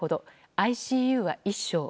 ＩＣＵは１床。